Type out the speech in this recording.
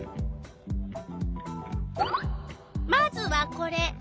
まずはこれ。